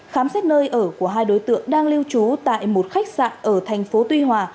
khám xét nơi ở của hai đối tượng đang lưu trú tại một khách sạn ở thành phố tuy hòa